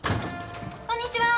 こんにちは。